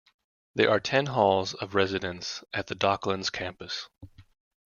There are ten halls of residence at the Docklands Campus.